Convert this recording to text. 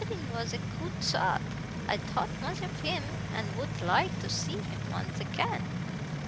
Safareen was a coot sort. I thought much of him, and woot like to see him once acain."